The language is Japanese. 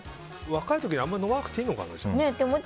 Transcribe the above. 若い時にはあんまり飲まなくていいのかな。